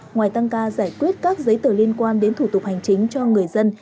ngoài tăng ca giải quyết các giấy tờ liên quan đến thủ tục hành chính cho người dân